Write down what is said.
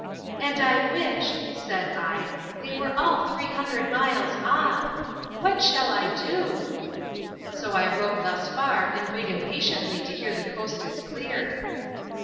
—And I wish, said I, they were all three hundred miles off!—What shall I do?—So I wrote thus far, and wait impatiently to hear the coast is clear. Mrs.